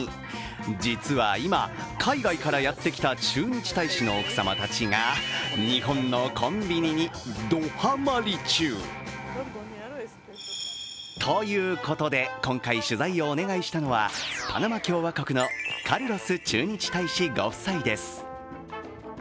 実は今、海外からやってきた駐日大使の奥様たちが日本のコンビニに、どハマり中。ということで、今回取材をお願いしたのはパナマ共和国のカルロス駐日大使ご夫妻です。